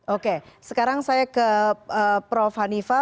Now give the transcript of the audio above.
oke sekarang saya ke prof hanifah